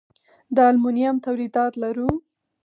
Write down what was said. د المونیم تولیدات لرو؟